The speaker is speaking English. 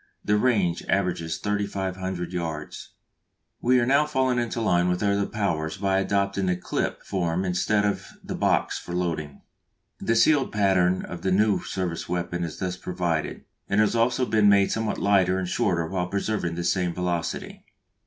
The range averages 3500 yards. We are now falling into line with other powers by adopting the "clip" form instead of the box for loading. The sealed pattern of the new service weapon is thus provided, and has also been made somewhat lighter and shorter while preserving the same velocity.